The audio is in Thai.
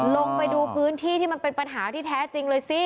ลงไปดูพื้นที่ที่มันเป็นปัญหาที่แท้จริงเลยสิ